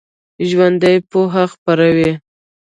ژوندي پوهه خپروي